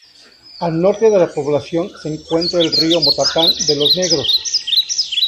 Al norte de la población se encuentra el río Motatán de los Negros.